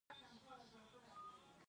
زما کار د جملو په سمولو ولاړ و.